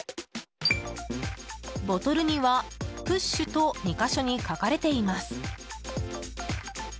ボトルには、「ＰＵＳＨ」と２か所に書かれています。